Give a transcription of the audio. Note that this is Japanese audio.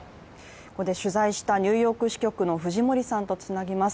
ここで取材したニューヨーク支局の藤森さんとつなぎます。